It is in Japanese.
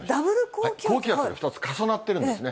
高気圧が２つ重なっているんですね。